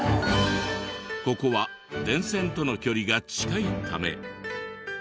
ここは電線との距離が近いため。